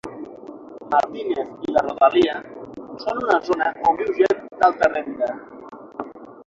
Martínez i la rodalia són una zona on viu gent d'alta renda.